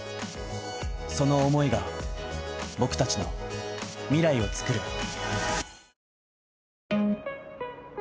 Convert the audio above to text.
その思いが僕達の未来をつくる